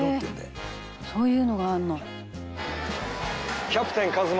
「へえそういうのがあるの」